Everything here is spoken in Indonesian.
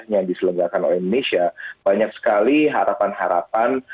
yang diselenggarakan oleh indonesia banyak sekali harapan harapan